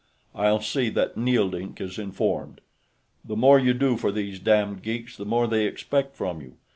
"I'll see that Neeldink is informed. The more you do for these damned geeks, the more they expect from you....